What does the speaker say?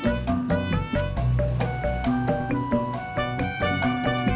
bukannya aja kenapa